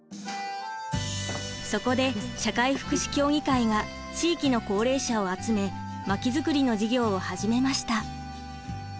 そこで社会福祉協議会が地域の高齢者を集めまき作りの事業を始めました。